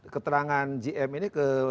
keterangan gm ini ke